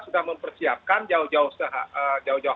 sudah mempersiapkan jauh jauh